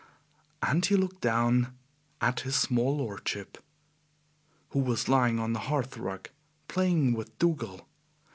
And he looked down at his small lordship, who was lying on the hearth rug playing with Dougal.